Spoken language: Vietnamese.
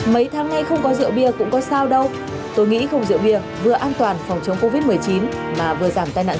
mấy tháng ngày không có rượu bia cũng có sao đâu tôi nghĩ không rượu bia vừa an toàn phòng chống covid